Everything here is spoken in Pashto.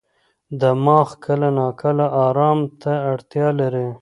دماغ کله ناکله ارام ته اړتیا لري.